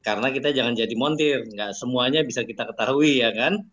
karena kita jangan jadi montir gak semuanya bisa kita ketahui ya kan